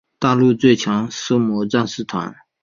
大陆最强的狩魔战士团。